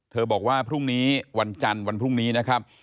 บอกว่าพรุ่งนี้วันจันทร์วันพรุ่งนี้นะครับ